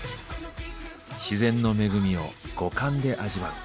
自然の恵みを五感で味わう。